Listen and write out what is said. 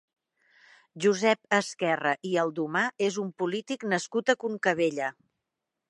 Josep Esquerra i Aldomà és un polític nascut a Concabella.